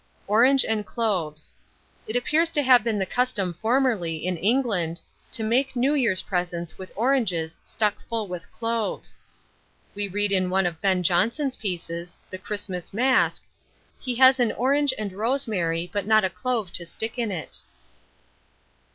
ORANGE AND CLOVES. It appears to have been the custom formerly, in England, to make new year's presents with oranges stuck full with cloves. We read in one of Ben Jonson's pieces, the "Christmas Masque," "He has an orange and rosemary, but not a clove to stick in it."